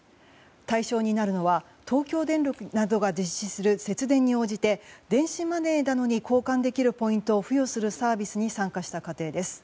対象になるのは東京電力などが実施する節電に応じて電子マネーなどに交換できるポイントを付与するサービスに参加した家庭です。